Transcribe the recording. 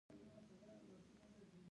ما په ډېرو کانونو کې اجباري کار وکړ